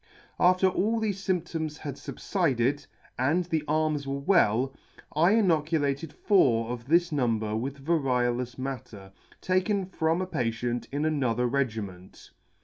" After all thefe fymptoms had fubflded, and the arms were well, I inoculated four of this number with variolous matter taken from a patient in another regiment.